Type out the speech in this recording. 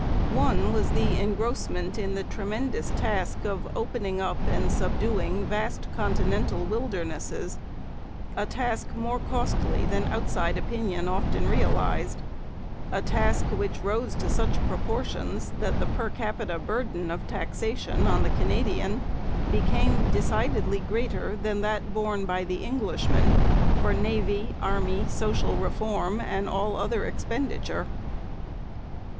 One was the engrossment in the tremendous task of opening up and subduing vast continental wildernesses, a task more costly than outside opinion often realized, a task which rose to such proportions that the per capita burden of taxation on the Canadian became decidedly greater than that borne by the Englishman for navy, army, social reform, and all other expenditure.